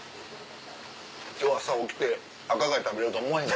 今日朝起きて赤貝食べようと思わへん。